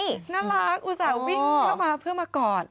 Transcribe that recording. น่ารักอุตส่าห์วิ่งเข้ามาเพื่อมากอด